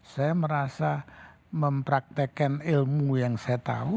saya merasa mempraktekkan ilmu yang saya tahu